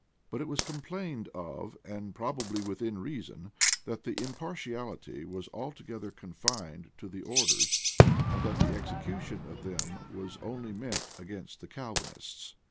But it was complained of, and probably with reason that the impartiality was altogether confined to the orders, and that the execution of them was only meant against the Calvinists.